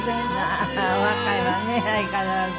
まあお若いわね相変わらず。